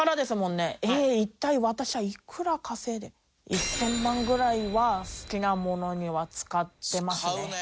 １０００万ぐらいは好きなものには使ってますね。